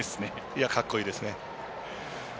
かっこいいですね。